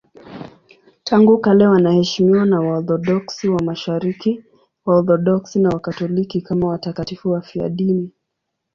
Tangu kale wanaheshimiwa na Waorthodoksi wa Mashariki, Waorthodoksi na Wakatoliki kama watakatifu wafiadini.